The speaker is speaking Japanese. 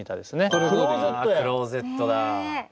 あクローゼットだ。